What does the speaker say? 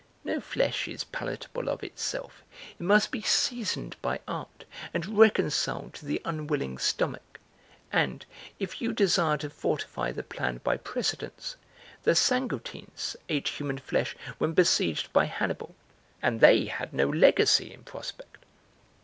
No flesh is palatable of itself, it must be seasoned by art and reconciled to the unwilling stomach. And, if you desire to fortify the plan by precedents, the Saguntines ate human flesh when besieged by Hannibal, and they had no legacy in prospect!